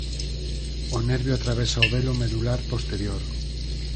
O nervio atravesa o velo medular posterior.